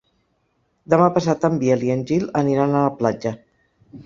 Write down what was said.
Demà passat en Biel i en Gil aniran a la platja.